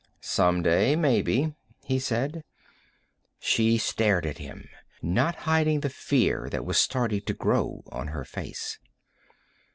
"Someday, maybe," he said. She stared at him, not hiding the fear that was starting to grow on her face.